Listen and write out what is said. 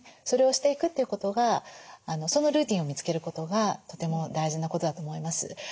それをしていくということがそのルーティンを見つけることがとても大事なことだと思います。